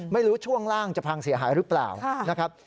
ช่วงล่างจะพังเสียหายหรือเปล่านะครับ